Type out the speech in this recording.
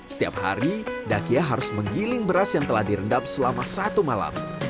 setiap hari dakia harus menggiling beras yang telah direndam selama satu malam